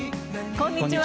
こんにちは。